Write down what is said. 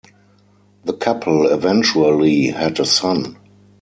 The couple eventually had a son.